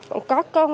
mà có con